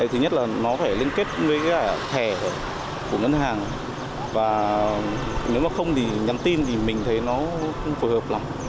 thứ nhất là nó phải liên kết với cả thẻ của ngân hàng và nếu mà không thì nhắn tin thì mình thấy nó không phù hợp lắm